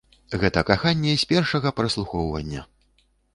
Гэта каханне з першага праслухоўвання!